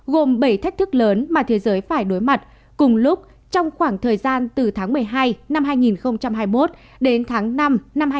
gồm bảy thách thức lớn mà thế giới phải đối mặt cùng lúc trong khoảng thời gian từ tháng một mươi hai năm hai nghìn hai mươi một đến tháng năm năm hai nghìn hai mươi ba